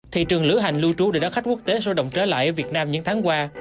thị trường lửa hành lưu trú để đón khách quốc tế sôi động trở lại ở việt nam những tháng qua